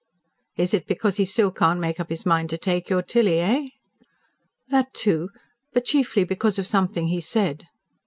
"Is it because he still can't make up his mind to take your Tilly eh?" "That, too. But chiefly because of something he said."